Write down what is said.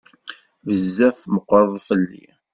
Bezzaf meqqreḍ fell-i.